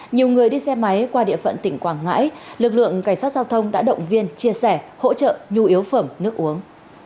nhiều người đi xe máy qua địa phận tỉnh quảng ngãi lực lượng cảnh sát giao thông đã động viên chia sẻ hỗ trợ nhu yếu phẩm nước uống